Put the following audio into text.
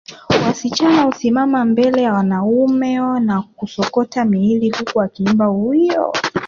Wasichana husimama mbele ya wanaume na kusokota miili huku wakiimba Oiiiyo